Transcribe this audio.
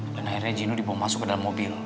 dan akhirnya gino dibawa masuk ke dalam mobil